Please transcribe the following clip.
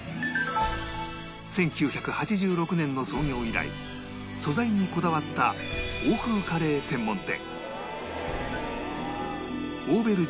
１９８６年の創業以来素材にこだわった欧風カレー専門店